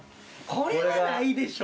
これはないでしょ。